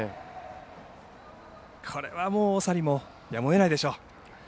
これは長利もやむをえないでしょう。